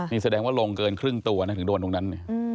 นี่แสดงว่าลงเกินครึ่งตัวถึงโดนนั่นนี่